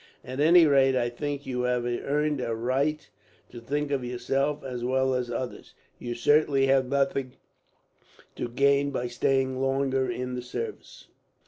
"At any rate, I think you have earned a right to think of yourself, as well as others. You certainly have nothing to gain by staying longer in the service."